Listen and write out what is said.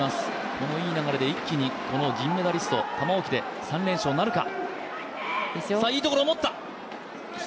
このいい流れで一気に、この銀メダリスト玉置で３連勝なるか。